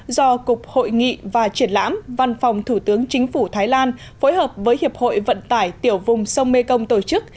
do cục hội nghị và triển lãm văn phòng thủ tướng chính phủ thái lan phối hợp với hiệp hội vận tải tiểu vùng sông mekong tổ chức